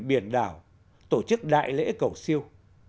biển đảo tổ chức đại lễ cầu siêu